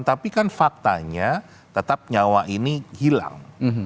tapi kan faktanya tetap nyawa ini hilang